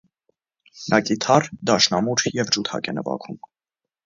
Նա կիթառ, դաշնամուր և ջութակ է նվագում։